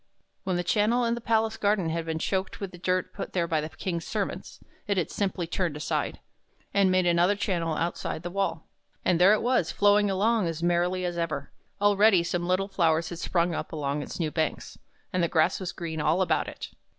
When its channel in the palace garden had been choked with the dirt put there by the King's servants, it had simply turned aside, and made another channel outside the wall; and there it was, flowing along as merrily as ever. Already some little flowers had sprung up along its new banks, and the grass was green all about it.